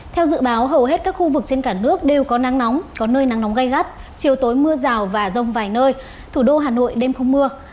theo dự báo hầu hết các khu vực trên cả nước đều có nắng nóng có nơi nắng nóng gai gắt chiều tối mưa rào và rông vài nơi thủ đô hà nội đêm không mưa